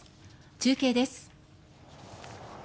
中継です。